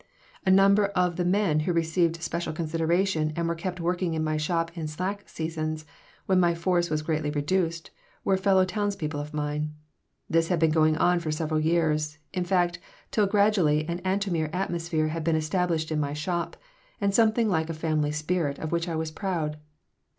A number of the men who received special consideration and were kept working in my shop in the slack seasons, when my force was greatly reduced, were fellow townspeople of mine. This had been going on for several years, in fact, till gradually an Antomir atmosphere had been established in my shop, and something like a family spirit of which I was proud.